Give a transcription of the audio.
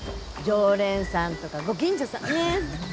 常連さんとかご近所さんねっ。